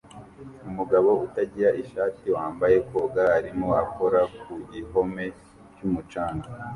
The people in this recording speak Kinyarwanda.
Umugabo utagira ishati wambaye koga arimo akora ku gihome cyumucanga